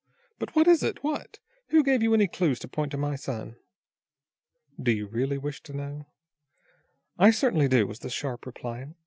"But what is it? What? Who gave you any clues to point to my son?" "Do you really wish to know?" "I certainly do," was the sharp reply.